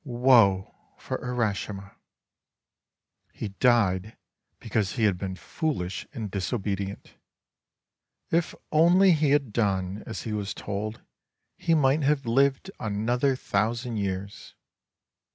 Woe for Urashima! He died because he had been foolish and disobedient. If only he had done as he was told, he might have lived another thousand years.